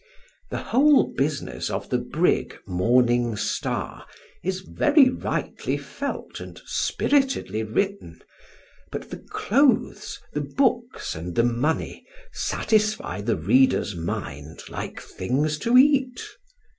The whole business of the brig Morning Star is very rightly felt and spiritedly written; but the clothes, the books and the money satisfy the reader's mind like things to eat.